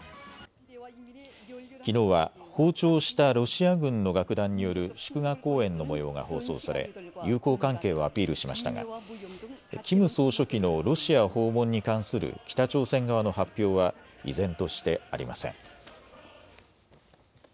きのうは訪朝したロシア軍の楽団による祝賀公演のもようが放送され友好関係をアピールしましたがキム総書記のロシア訪問に関する北朝鮮側の発表は依然としてありません。